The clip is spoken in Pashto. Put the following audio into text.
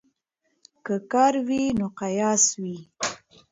که کار وي نو قیاس وي.